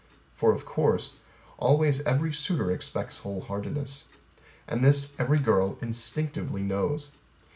For of course, Always every suitor expects whole heartedness. And this every girl instinctively knows.